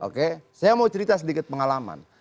oke saya mau cerita sedikit pengalaman